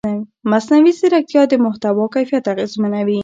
مصنوعي ځیرکتیا د محتوا کیفیت اغېزمنوي.